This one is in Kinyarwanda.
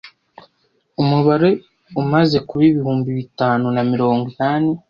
umubare umaze kuba ibihumbi bitanu na mirongo inani